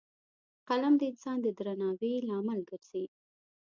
قلم د انسان د درناوي لامل ګرځي